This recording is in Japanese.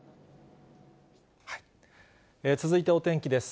続いてお天気です。